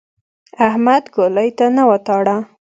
احمد ګولۍ ته نه وتاړه.